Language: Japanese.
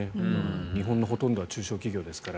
日本のほとんどは中小企業ですから。